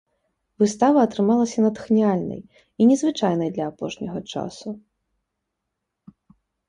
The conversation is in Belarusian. Выстава атрымалася натхняльнай і незвычайнай для апошняга часу.